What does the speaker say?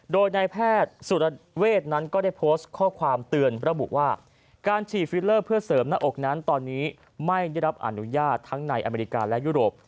โดยนายแพทย์สุรเวทนั้นก็ได้โพสต์ข้อความเตือนระบุว่าการฉีดฟิลเลอร์เพื่อเสริมหน้าอกนั้นตอนนี้ไม่ได้รับอนุญาตทั้งในอเมริกาและยุโรป